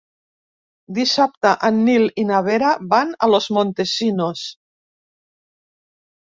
Dissabte en Nil i na Vera van a Los Montesinos.